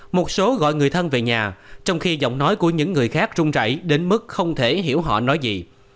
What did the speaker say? một số gọi người thân về nhà trong khi giọng nói của những người khác trung rảy đến mức không thể hiểu họ nói gì